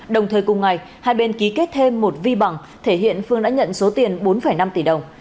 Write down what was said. đồng thời cùng ngày hai bên ký kết thêm một vi bằng thể hiện phương đã nhận số tiền bốn năm tỷ đồng